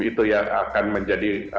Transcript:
itu yang akan menjadi